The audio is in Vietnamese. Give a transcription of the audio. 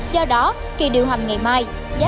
do đó kỳ điều hành ngày mai